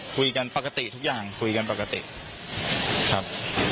คุยกันปกติทุกอย่างคุยกันปกติครับ